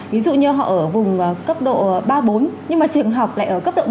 ví dụ như họ ở vùng cấp độ ba mươi bốn nhưng mà trường học lại ở cấp độ một mươi hai